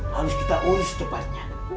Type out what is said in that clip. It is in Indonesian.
harus kita urus cepatnya